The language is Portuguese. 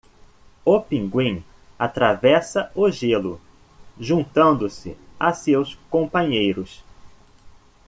O pinguim atravessa o gelo, juntando-se a seus companheiros.